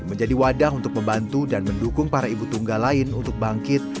menjadi wadah untuk membantu dan mendukung para ibu tunggal lain untuk bangkit